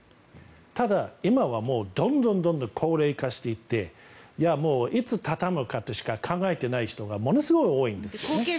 ただ、今はどんどん高齢化していていつ畳むかということしか考えてない人がものすごく多いんですね。